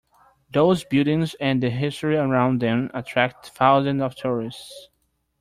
Those buildings and the history around them attract thousands of tourists.